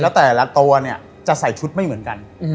แล้วแต่ละตัวเนี่ยจะใส่ชุดไม่เหมือนกัน